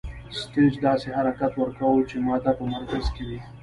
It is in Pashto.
سټیج داسې حرکت ورکوو چې ماده په مرکز کې وي.